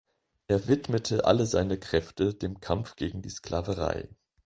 Er widmete alle seine Kräfte dem Kampf gegen die Sklaverei.